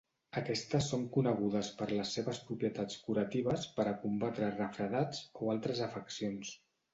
Aquestes són conegudes per les seves propietats curatives per a combatre refredats, o altres afeccions.